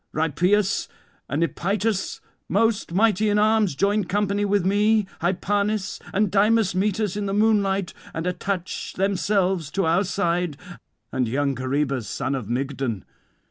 Rhipeus and Epytus, most mighty in arms, join company with me; Hypanis and Dymas meet us in the moonlight and attach themselves to our side, and young Coroebus son of Mygdon.